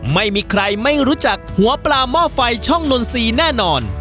ไม่มีใครไม่รู้จักหัวปลาหม้อไฟช่องนนทรีย์แน่นอน